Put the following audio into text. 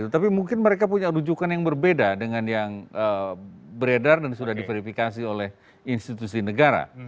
tapi mungkin mereka punya rujukan yang berbeda dengan yang beredar dan sudah diverifikasi oleh institusi negara